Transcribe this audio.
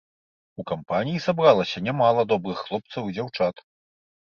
У кампаніі сабралася нямала добрых хлопцаў і дзяўчат.